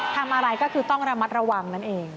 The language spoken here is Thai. ทำอะไรก็คือต้องระมัดระวังนั่นเอง